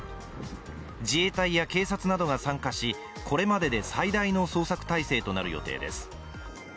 自衛隊や警察などが参加し、これまでで最大の捜索態勢となる予定です。